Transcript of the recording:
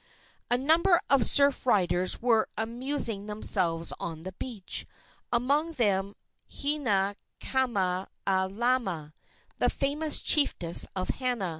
A number of surf riders were amusing themselves on the beach, among them Hinaikamalama, the famous chiefess of Hana.